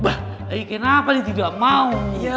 bah eh kenapa dia tidak mau